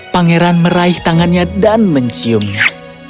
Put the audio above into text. pangeran meraih tangannya dan menciumnya